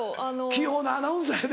器用なアナウンサーやで。